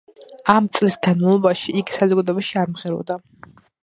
ამ წლის განმავლობაში იგი საზოგადოებაში არ მღეროდა.